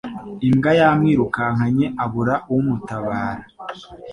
imbwa yamwirukankanye abura umutabara